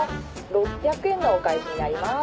６００円のお返しになります。